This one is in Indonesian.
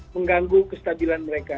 mengganggu kestabilan mereka